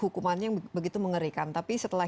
hukumannya yang begitu mengerikan tapi setelah